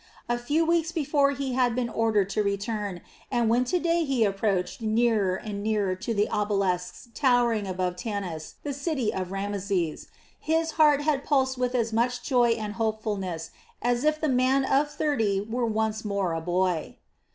A few weeks before he had been ordered to return, and when to day he approached nearer and nearer to the obelisks towering above Tanis, the city of Rameses, his heart had pulsed with as much joy and hopefulness as if the man of thirty were once more a boy.